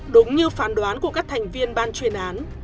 đúng như phán đoán của các thành viên ban chuyên án